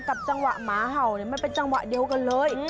จังหวะหมาเห่ามันเป็นจังหวะเดียวกันเลย